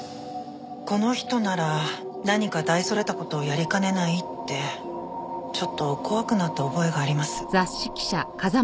この人なら何か大それた事をやりかねないってちょっと怖くなった覚えがあります。